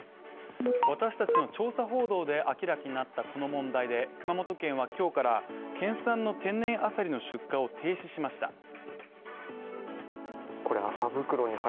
私たちの「調査報道」で明らかになったこの問題で熊本県は今日から県産の天然アサリの出荷を停止しました。